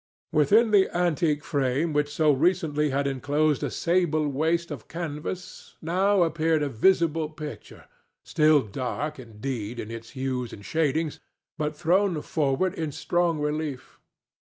Within the antique frame which so recently had enclosed a sable waste of canvas now appeared a visible picture still dark, indeed, in its hues and shadings, but thrown forward in strong relief.